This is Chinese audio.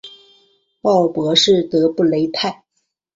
鲍博什德布雷泰。